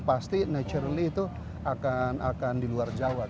pasti naturally itu akan di luar jawa